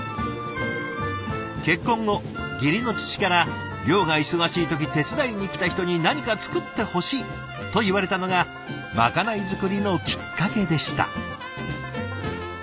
結婚後義理の父から漁が忙しい時手伝いに来た人に何か作ってほしいと言われたのがまかない作りのきっかけでした。